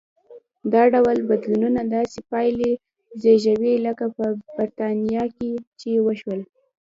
دا ډول بدلونونه داسې پایلې زېږوي لکه په برېټانیا کې چې وشول.